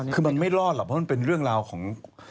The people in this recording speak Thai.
คือมันไม่รอดหรอกเพราะมันเป็นเรื่องราวของ